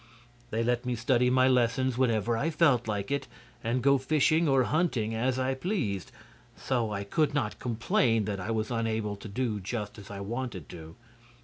They let me study my lessons whenever I felt like it and go fishing or hunting as I pleased; so I could not complain that I was unable to do just as I wanted to.